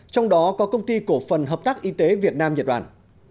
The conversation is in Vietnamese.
trong đó có công ty cổ phần hợp tác y tế việt nam nhật bản